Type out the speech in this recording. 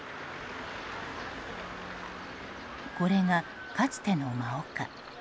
これが、かつての真岡。